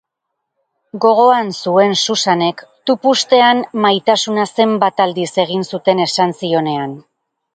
Gogoan zuen Susanek, tupustean, maitasuna zenbat aldiz egin zuten esan zionean.